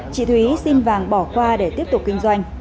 chị thúy xin vàng bỏ qua để tiếp tục kinh doanh